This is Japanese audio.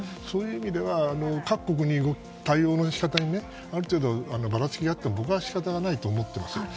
そういう意味では各国の対応の仕方にある程度、ばらつきがあっても仕方ないと思っています。